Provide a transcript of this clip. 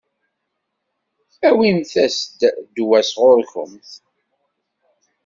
Awimt-as-d ddwa sɣur-kemt.